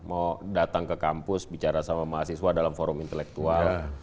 mau datang ke kampus bicara sama mahasiswa dalam forum intelektual